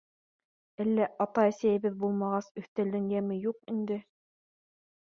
Әллә ата-әсәйебеҙ булмағас, өҫтәлдең йәме юҡ инде.